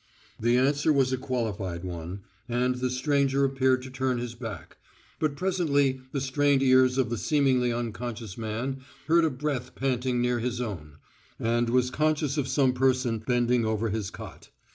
The answer was a qualified one, and the stranger appeared to turn his back, but presently the strained ears of the seemingly unconscious man heard a breath panting near his own, and was conscious of some person bending over his cot.